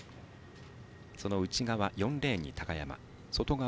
その内側４レーンに高山外側